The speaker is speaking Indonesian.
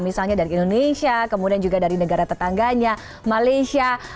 misalnya dari indonesia kemudian juga dari negara tetangganya malaysia